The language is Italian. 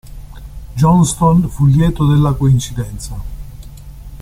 Johnston fu lieto della coincidenza.